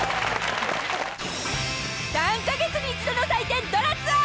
［３カ月に一度の祭典『ドラツア』］